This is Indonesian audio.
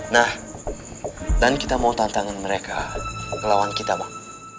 nah dan kita mau tantangan mereka lawan kita bang